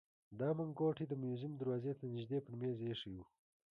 دا منګوټی د موزیم دروازې ته نژدې پر مېز ایښی و.